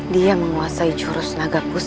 dia menguasai jurus naga bus